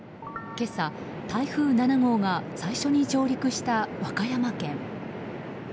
今朝、台風７号が最初に上陸した和歌山県。